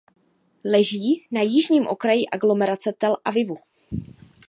Leží na jižním okraji aglomerace Tel Avivu.